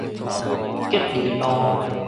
吉林路